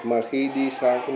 mà khi đi sang